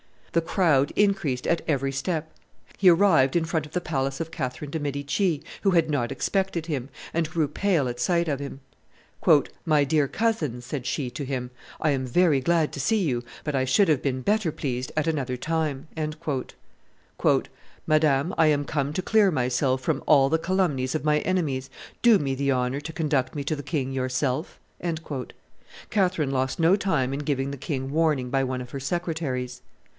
The crowd increased at every step. He arrived in front of the palace of Catherine de' Medici, who had not expected him, and grew pale at sight of him. "My dear cousin," said she to him, "I am very glad to see you, but I should have been better pleased at another time." "Madame, I am come to clear myself from all the calumnies of my enemies; do me the honor to conduct me to the king yourself." Catherine lost no time in giving the king warning by one of her secretaries.